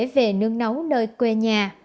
về nướng nấu nơi quê nhà